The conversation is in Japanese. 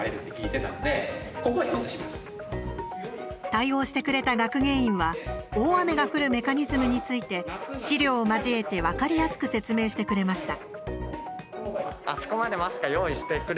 対応してくれた学芸員は大雨が降るメカニズムについて資料を交えて分かりやすく説明してくれました。